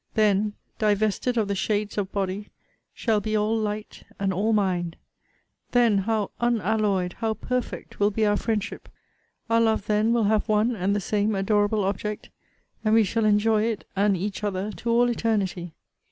Then, divested of the shades of body, shall be all light and all mind! Then how unalloyed, how perfect, will be our friendship! Our love then will have one and the same adorable object, and we shall enjoy it and each other to all eternity!